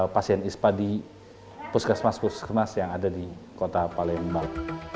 pasien ispa di puskesmas puskesmas yang ada di kota palembang